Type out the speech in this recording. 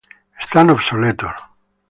Están obsoletos.